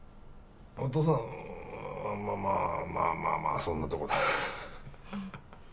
お父さんはまあまあまあまあそんなとこだ